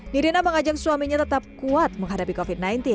nirina mengajak suaminya tetap kuat menghadapi covid sembilan belas